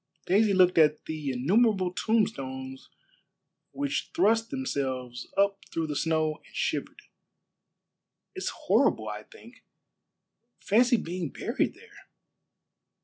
Daisy looked at the innumerable tombstones which thrust themselves up through the snow and shivered. "It's horrible, I think. Fancy being buried there!"